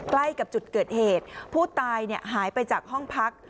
ใกล้กับจุดเกิดเหตุผู้ตายหายไปจากห้องพัก